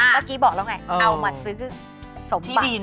เมื่อกี้บอกแล้วไงเอามาซื้อสมบัติ